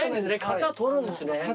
型取るんですね。